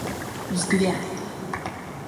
взгляд